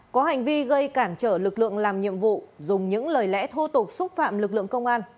có hành vi gây cản trở lực lượng làm nhiệm vụ dùng những lời lẽ thô tục xúc phạm lực lượng công an